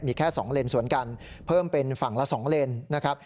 มีแค่๒เลนสวนกันเพิ่มเป็นฝั่งละ๒เลนนะครับ